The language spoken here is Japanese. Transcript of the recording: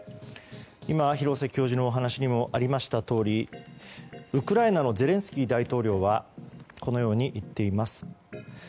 今、廣瀬教授のお話にもありましたとおりウクライナのゼレンスキー大統領はこのように言っています。